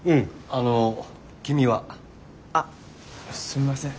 あの君は？あすみません。